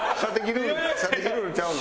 射的ルールちゃうの？